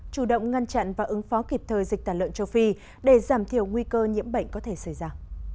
chủ động ngăn chặn và ứng phó kịp thời dịch tả lợn châu phi để giảm thiểu nguy cơ nhiễm bệnh có thể xảy ra